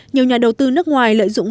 nhiều nhà đầu tư nước ngoài lợi dụng